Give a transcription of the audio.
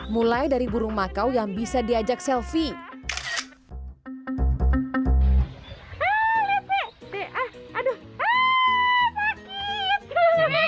mulai dari burung makau yang bisa diajak selfie aduh